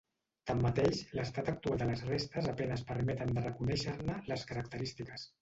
Tanmateix, l'estat actual de les restes a penes permeten de reconèixer-ne les característiques.